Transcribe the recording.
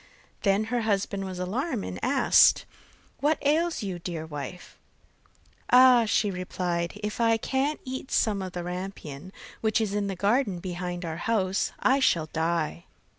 Then her husband was alarmed, and asked: 'What ails you, dear wife?' 'Ah,' she replied, 'if I can't eat some of the rampion, which is in the garden behind our house, I shall die.